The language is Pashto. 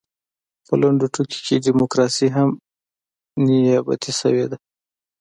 په لنډو ټکو کې ډیموکراسي هم نیابتي شوې ده.